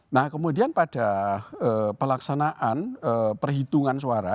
nah kemudian pada pelaksanaan perhitungan suara